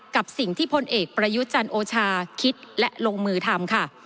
กับสิ่งที่พลเอกประยุทธ์จันโอชาคิดและลงมือทำค่ะ